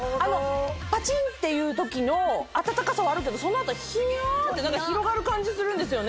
パチンっていう時の温かさはあるけどその後ヒヤって広がる感じするんですよね。